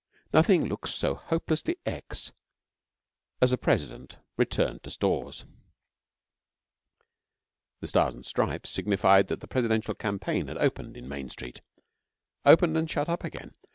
Nothing looks so hopelessly 'ex' as a President 'returned to stores,' The stars and stripes signified that the Presidential Campaign had opened in Main Street opened and shut up again.